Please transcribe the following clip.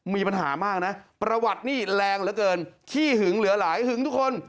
มีปัญหามากนะประวัตินี่แรงเหลือเกินขี้หึงเหลือหลายหึงทุกคน